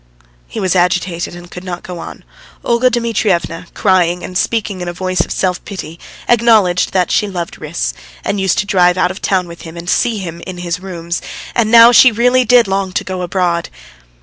He was agitated and could not go on. Olga Dmitrievna, crying and speaking in a voice of self pity, acknowledged that she loved Riss, and used to drive out of town with him and see him in his rooms, and now she really did long to go abroad.